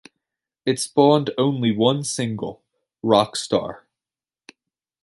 It spawned only one single: "Rockstar".